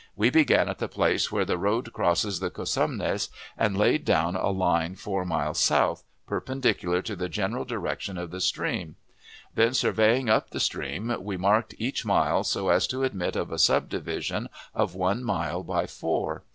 We began at the place where the road crosses the Cosumnes, and laid down a line four miles south, perpendicular to the general direction of the stream; then, surveying up the stream, we marked each mile so as to admit of a subdivision of one mile by four.